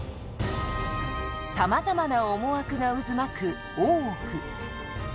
さまざまな思惑が渦巻く大奥。